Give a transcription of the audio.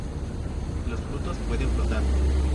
Los frutos pueden flotar.